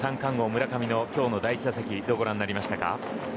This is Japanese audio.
村上の今日の第１打席どうご覧になりましたか。